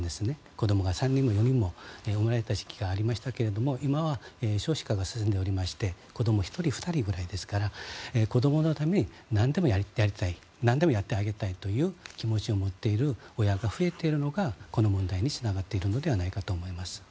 子どもが３人も４人も生まれた時期がありましたが今は少子化が進んでおりまして子ども１人、２人ぐらいですから子どものためになんでもやりたいなんでもやってあげたいという気持ちを持っている親が増えているのがこの問題につながっているのではないかと思います。